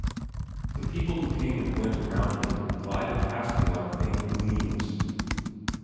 The people who came and went around me glided past me like faint gleams.